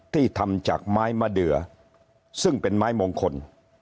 ที่ทำจากไม้มะเดือซึ่งเป็นไม้มงคล